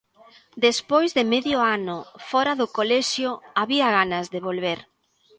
Despois de medio ano fóra do colexio, había ganas de volver.